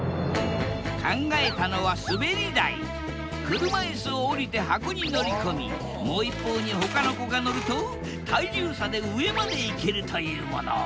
車いすを降りて箱に乗り込みもう一方にほかの子が乗ると体重差で上まで行けるというもの。